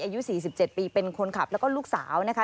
อายุ๔๗ปีเป็นคนขับแล้วก็ลูกสาวนะคะ